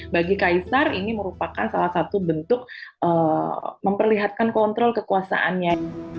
bagi kaisar ini merupakan salah satu bentuk memperlihatkan kontrol kekuasaannya